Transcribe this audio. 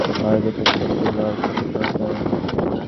সরেজমিনে দেখা গেছে, চারতলা বাড়িটিতে ঢুকতে একটি লোহার ফটক ব্যবহূত হয়।